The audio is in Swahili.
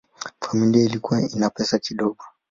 Familia ilikuwa ina pesa kidogo.